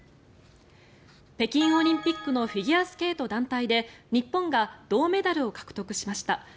北京オリンピックのフィギュアスケート団体で日本が銅メダルを獲得しました。